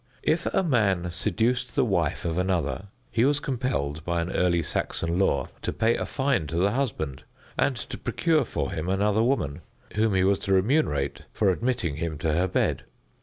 If a man seduced the wife of another, he was compelled, by an early Saxon law, to pay a fine to the husband, and to procure for him another woman, whom he was to remunerate for admitting him to her bed.